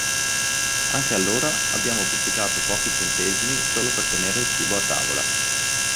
Anche allora, abbiamo pizzicato pochi centesimi solo per tenere il cibo a tavola.